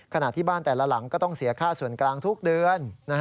ขณะที่บ้านแต่ละหลังก็ต้องเสียค่าส่วนกลางทุกเดือน